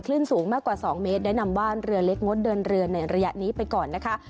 สูงมากกว่า๒เมตรได้นำบ้านเรือเล็กงดเดินเรือในระยะนี้ไปก่อนนะคะ